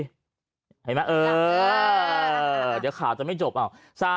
เห็นไหมเออเดี๋ยวข่าวจะไม่จบ